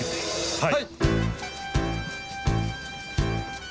はい。